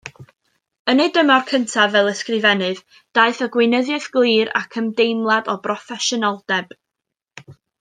Yn ei dymor cyntaf fel ysgrifennydd daeth â gweinyddiaeth glir ac ymdeimlad o broffesiynoldeb.